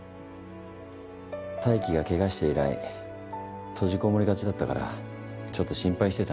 泰生がけがして以来閉じ籠もりがちだったからちょっと心配してた。